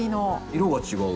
色が違う。